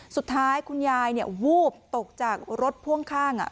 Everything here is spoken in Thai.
สุดท้ายคุณยายวูบตกจากรถพ่วงข้าง